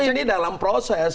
ini dalam proses